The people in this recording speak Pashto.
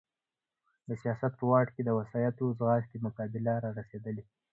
د سیاست په واټ کې د وسایطو ځغاستې مقابله را رسېدلې.